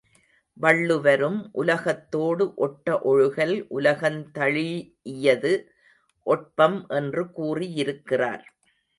வள்ளுவரும், உலகத்தோடு ஒட்ட ஒழுகல் உலகந் தழீஇயது ஒட்பம் என்று கூறியிருக்கிறார்.